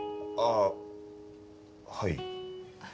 ああはい。